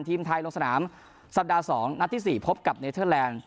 ทีมไทยลงสนามสัปดาห์๒นัดที่๔พบกับเนเทอร์แลนด์